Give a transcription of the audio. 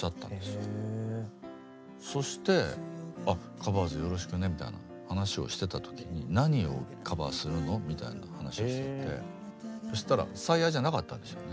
そして「あっ『ＴｈｅＣｏｖｅｒｓ』よろしくね」みたいな話をしてた時に「何をカバーするの？」みたいな話をしててそしたら「最愛」じゃなかったんでしょうね。